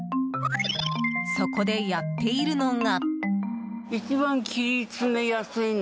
そこで、やっているのが。